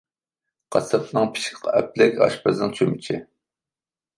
قاسساپنىڭ پىچىقى ئەپلىك، ئاشپەزنىڭ چۆمۈچى.